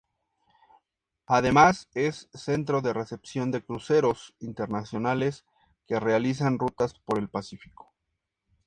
Además, es centro de recepción de cruceros internacionales que realizan rutas por el Pacífico.